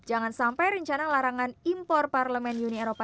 jangan sampai rencana larangan impor parlemen uni eropa dua ribu dua puluh